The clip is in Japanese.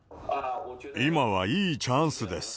今はいいチャンスです。